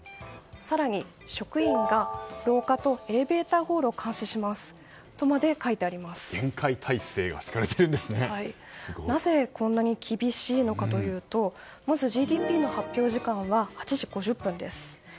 更に職員が廊下とエレベーターホールを監視しますと厳戒態勢がなぜ、こんなに厳しいのかというとまずＧＤＰの発表時間は８時５０分です。